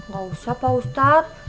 ga usah pak ustadz